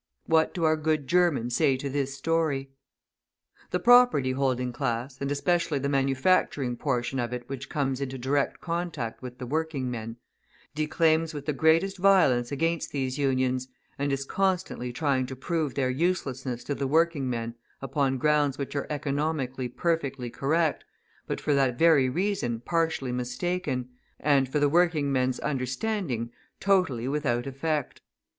What do our good Germans say to this story? {221b} The property holding class, and especially the manufacturing portion of it which comes into direct contact with the working men, declaims with the greatest violence against these Unions, and is constantly trying to prove their uselessness to the working men upon grounds which are economically perfectly correct, but for that very reason partially mistaken, and for the working man's understanding totally without effect.